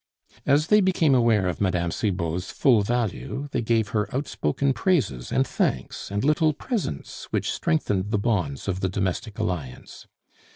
As they became aware of Mme. Cibot's full value, they gave her outspoken praises, and thanks, and little presents which strengthened the bonds of the domestic alliance.